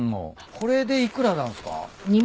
これで幾らなんすか？